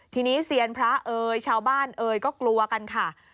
ทีนี้เซียนพระเอ๋ยชาวบ้านเอ่ยก็กลัวกันค่ะ